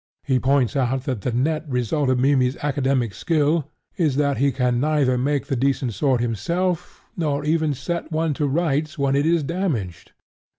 He points out that the net result of Mimmy's academic skill is that he can neither make a decent sword himself nor even set one to rights when it is damaged.